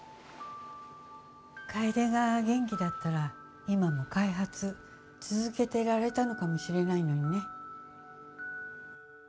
楓が元気だったら今も開発続けていられたのかもしれないのにね。